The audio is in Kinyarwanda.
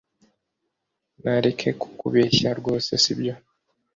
Nareke kukubeshya rwose sibyo